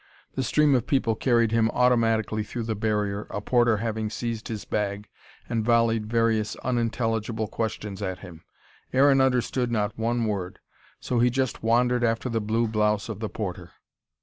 The stream of people carried him automatically through the barrier, a porter having seized his bag, and volleyed various unintelligible questions at him. Aaron understood not one word. So he just wandered after the blue blouse of the porter.